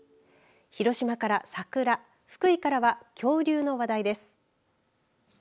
広島から桜福井からは恐竜の話題です。